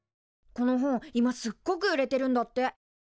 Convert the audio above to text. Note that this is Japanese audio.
この本今すっごく売れてるんだって。